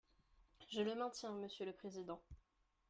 Je le maintiens, monsieur le président.